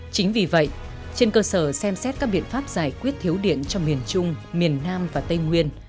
chính vì vậy trên cơ sở xem xét các biện pháp giải quyết thiếu điện cho miền trung miền nam và tây nguyên